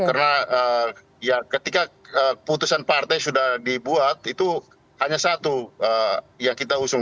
karena ketika putusan partai sudah dibuat itu hanya satu yang kita usung